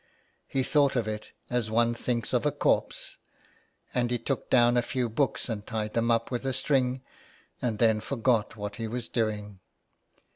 He thought of it as one thinks of a corpse, and he took down a few books and tied them up with a string, and then forgot what he was doing.